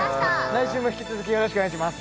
来週も引き続きよろしくお願いします